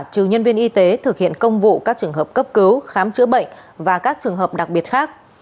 trừ nhân viên y tế thực hiện công vụ các trường hợp cấp cứu khám chữa bệnh và các trường hợp đặc biệt khác